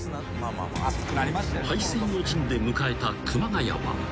［背水の陣で迎えた熊谷は］